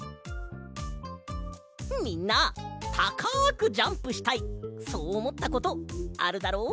みんなたかくジャンプしたいそうおもったことあるだろ？